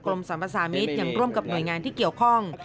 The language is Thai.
สรรพสามิตรยังร่วมกับหน่วยงานที่เกี่ยวข้อง